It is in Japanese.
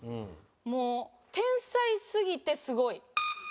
もう天才すぎてすごい。